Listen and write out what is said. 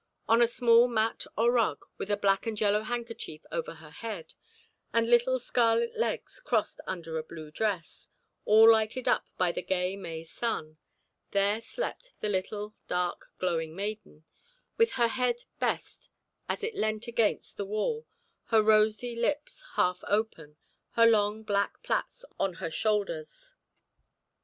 On a small mat or rug, with a black and yellow handkerchief over her head, and little scarlet legs crossed under a blue dress, all lighted up by the gay May sun, there slept the little dark, glowing maiden, with her head best as it leant against the wall, her rosy lips half open, her long black plaits on her shoulders.